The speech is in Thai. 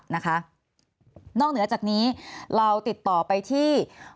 นะคะนอกเหนือจากนี้เราติดต่อไปที่